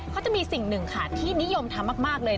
เขาจะมีสิ่งหนึ่งค่ะที่นิยมทำมากเลย